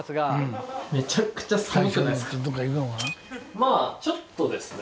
まあちょっとですね。